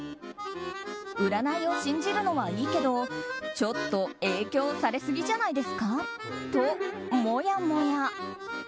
占いを信じるのはいいけどちょっと影響されすぎじゃないですか？ともやもや。